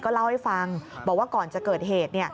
เล่าให้ฟังบอกว่าก่อนจะเกิดเหตุ